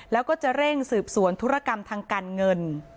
แล้วก็จะเร่งสืบสวนธุรกรรมทางการเงิน